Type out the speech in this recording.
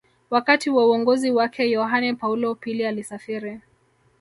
Wakati wa uongozi wake Yohane Paulo pili alisafiri